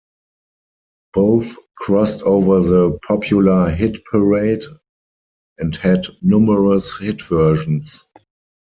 Both crossed over to the popular Hit Parade and had numerous hit versions.